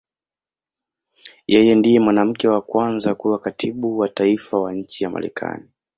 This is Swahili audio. Yeye ndiye mwanamke wa kwanza kuwa Katibu wa Taifa wa nchi ya Marekani.